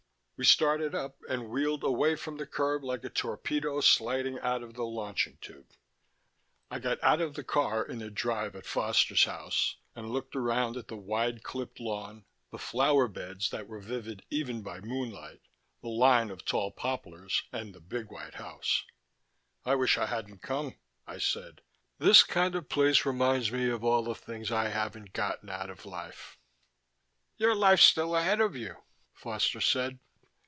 We started up and wheeled away from the curb like a torpedo sliding out of the launching tube. I got out of the car in the drive at Foster's house, and looked around at the wide clipped lawn, the flower beds that were vivid even by moonlight, the line of tall poplars and the big white house. "I wish I hadn't come," I said. "This kind of place reminds me of all the things I haven't gotten out of life." "Your life's still ahead of you," Foster said.